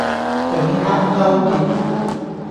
警黑勾結